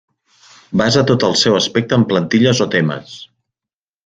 Basa tot el seu aspecte en plantilles o temes.